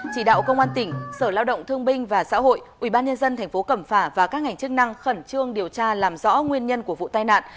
chỉ đạo công an tỉnh sở lao động thương binh và xã hội ubnd tp cẩm phả và các ngành chức năng khẩn trương điều tra làm rõ nguyên nhân của vụ tai nạn